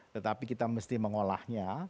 tetapi kita mesti mengolahnya